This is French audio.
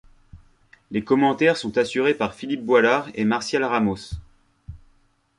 Les commentaires sont assurés par Philippe Boislard et Martial Ramos.